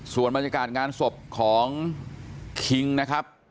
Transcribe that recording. ส่วนบรรยากาศงานศพของคิงนะครับ